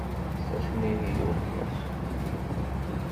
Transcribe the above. Tessasen-iyi i uletma-s.